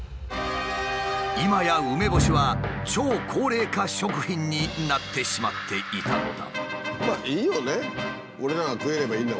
いまや梅干しは超高齢化食品になってしまっていたのだ。